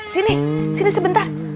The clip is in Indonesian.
sini sini sebentar